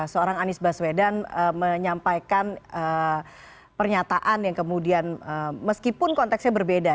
seorang anies baswedan menyampaikan pernyataan yang kemudian meskipun konteksnya berbeda